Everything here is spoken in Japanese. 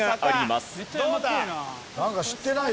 なんか知ってない？